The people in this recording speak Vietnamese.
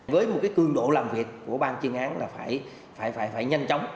với một cương độ làm việc của bang chương án là phải nhanh chóng